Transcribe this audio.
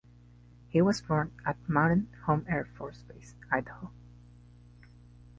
He was born at Mountain Home Air Force Base, Idaho.